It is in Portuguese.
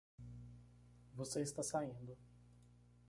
Você está saindo